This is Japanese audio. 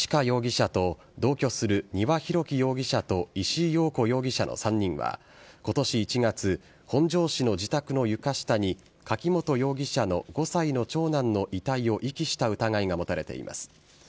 容疑者と、同居する丹羽洋樹容疑者と石井陽子容疑者の３人はことし１月、本庄市の自宅の床下に、柿本容疑者の５歳の長男の遺体を遺棄した疑いが持たれています。